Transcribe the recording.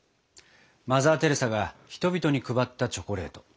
マザー・テレサが人々に配ったチョコレート。